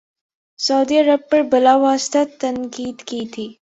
سعودی عرب پر بلا واسطہ تنقید کی تھی